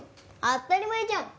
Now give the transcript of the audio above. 当たり前じゃん！